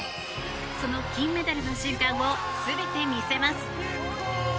その金メダルの瞬間を全て見せます。